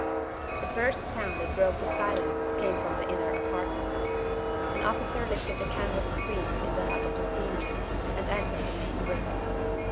The first sound that broke the silence came from the inner apartment. An officer lifted the canvas screen in the hut of the Sea mew and entered the main room.